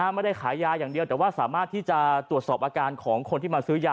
ไม่ได้ขายยาอย่างเดียวแต่ว่าสามารถที่จะตรวจสอบอาการของคนที่มาซื้อยา